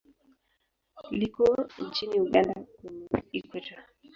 Liko nchini Uganda kwenye Ikweta.